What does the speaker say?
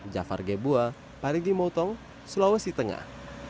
jafar gebua parigi motong sulawesi tengah